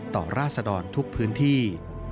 ต่อราชดรทุกพื้นที่